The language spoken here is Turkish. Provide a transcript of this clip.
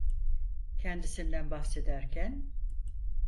Kendisinden bahsederken: